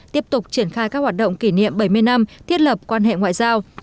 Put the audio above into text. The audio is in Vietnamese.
tiếp tục triển khai các hoạt động kỷ niệm bảy mươi năm thiết lập quan hệ ngoại giao